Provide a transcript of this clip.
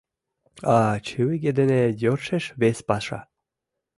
А чывиге дене йӧршеш вес паша.